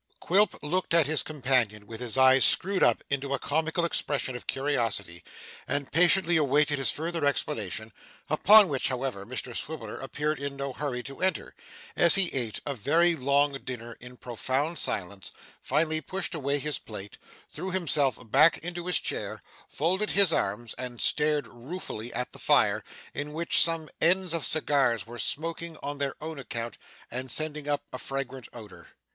Quilp looked at his companion with his eyes screwed up into a comical expression of curiosity, and patiently awaited his further explanation; upon which, however, Mr Swiveller appeared in no hurry to enter, as he ate a very long dinner in profound silence, finally pushed away his plate, threw himself back into his chair, folded his arms, and stared ruefully at the fire, in which some ends of cigars were smoking on their own account, and sending up a fragrant odour.